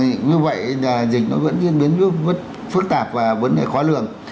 như vậy dịch nó vẫn diễn biến rất phức tạp và vấn đề khó lường